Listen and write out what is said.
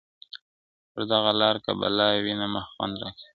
پر دغه لاره كه بلا ويــنــمــــه خــونـــــــد راكـــــــــوي.